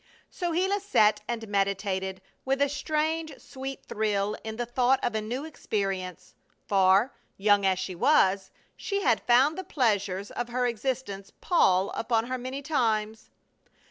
So Gila sat and meditated, with a strange, sweet thrill in the thought of a new experience; for, young as she was, she had found the pleasures of her existence pall upon her many times.